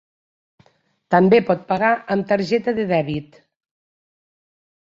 També pot pagar amb targeta de dèbit.